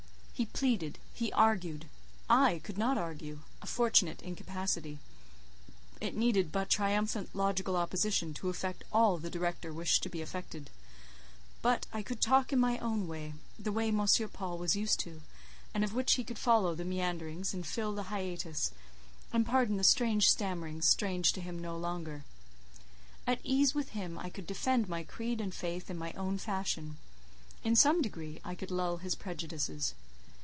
He pleaded, he argued. I could not argue—a fortunate incapacity; it needed but triumphant, logical opposition to effect all the director wished to be effected; but I could talk in my own way—the way M. Paul was used to—and of which he could follow the meanderings and fill the hiatus, and pardon the strange stammerings, strange to him no longer. At ease with him, I could defend my creed and faith in my own fashion; in some degree I could lull his prejudices.